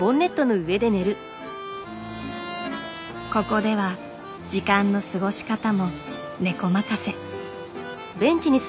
ここでは時間の過ごし方もネコまかせ。